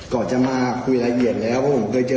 ก่อนจะมาคุยละเอียดเลย